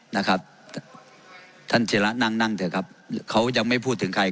นะครับท่านเจระนั่งนั่งเถอะครับเขายังไม่พูดถึงใคร